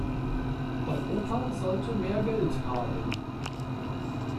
Europa sollte mehr Geld haben.